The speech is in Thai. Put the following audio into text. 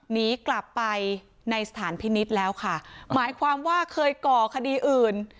หนีกลับไปในสถานพินิษฐ์แล้วค่ะหมายความว่าเคยก่อคดีอื่น